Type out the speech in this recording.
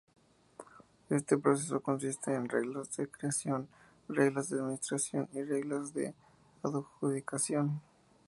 Este proceso consiste en reglas de creación, reglas de administración y reglas de adjudicación.